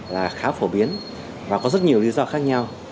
là khá phổ biến và có rất nhiều lý do khác nhau